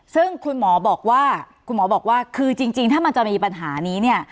ซึ่งคุณหมอบอกว่าคือจริงถ้ามันจะมีปัญหานี้เนี่ย